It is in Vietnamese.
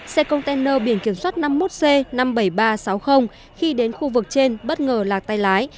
xe container biển kiểm soát năm mươi một c năm mươi bảy nghìn ba trăm sáu mươi khi đến khu vực trên bất ngờ lạc tay lái